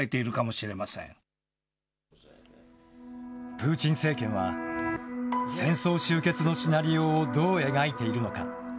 プーチン政権は、戦争終結のシナリオをどう描いているのか。